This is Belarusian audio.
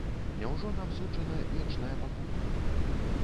Няўжо нам суджана вечная пакута?